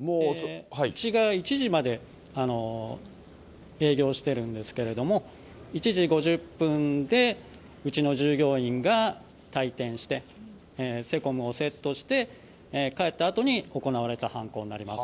うちが１時まで営業しているんですけれども、１時５０分でうちの従業員が退店して、セコムをセットして、帰ったあとに行われた犯行になります。